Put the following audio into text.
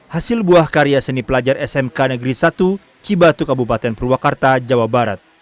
hasil buah karya seni pelajar smk negeri satu cibatu kabupaten purwakarta jawa barat